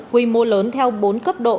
quy mô lớn theo bốn cấp độ